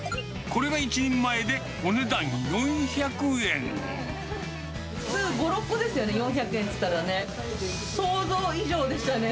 これが１人前で、お値段普通５、６個ですよね、４００円っていったらね。